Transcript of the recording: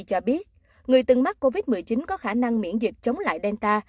cho biết người từng mắc covid một mươi chín có khả năng miễn dịch chống lại delta